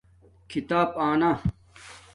کھیتاپ آنا